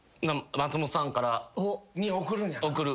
松本さんから。に送るんやな。